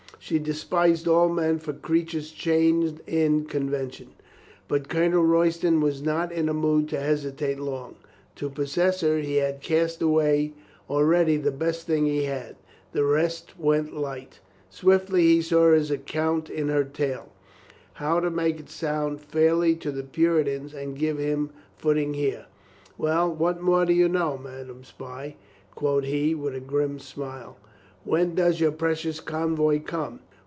She despised all men for creatures chained in convention. ... But Colonel Royston was not in a mood to hesitate long. To possess her he had cast away already the best thing he had. The rest went light. ... Swiftly he saw his account in her tale — how to make it sound fairly to the Puritans and give him foot ing there. "Well, what more do you know, ma dame spy?" quoth he with a grim smile. "When does your precious convoy come?